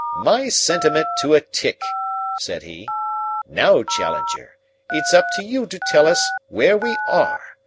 "My sentiment to a tick," said he. "Now, Challenger, it's up to you to tell us where we are.